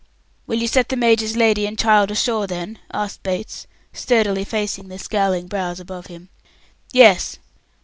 "Will you set the major's lady and child ashore, then?" asked Bates, sturdily facing the scowling brows above him. "Yes."